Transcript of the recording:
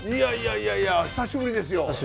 いやいや久しぶりですよ。